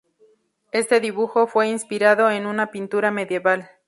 Este dibujo fue inspirado en una pintura medieval.